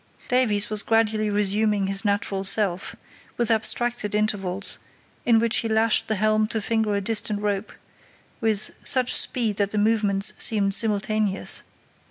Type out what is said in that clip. Davies was gradually resuming his natural self, with abstracted intervals, in which he lashed the helm to finger a distant rope, with such speed that the movements seemed simultaneous.